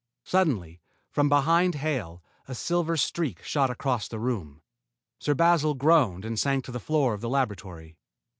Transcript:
Suddenly, from behind Hale, a silver streak shot across the room. Sir Basil groaned and sank to the floor of the laboratory.